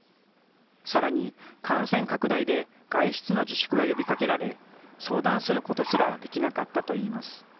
さらに感染拡大で外出の自粛が呼びかけられ、相談することすらできなかったといいます。